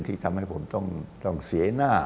ที่ทำให้ผมต้องเสียหน้า